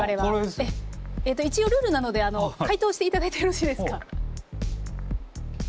えっと一応ルールなので解答していただいてよろしいですか？